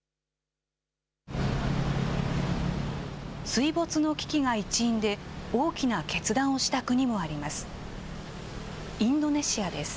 水没の危機が一因で、大きな決断をした国もあります。